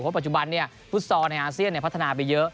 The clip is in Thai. เพราะปัจจุบันฟุตซอลในอาเซียนพัฒนาไปเยอะ